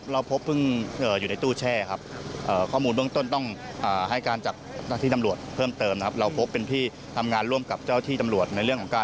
หันเป็นชิดด้วยใช่ไหมลักษณะหันเป็นอย่างไรบ้าง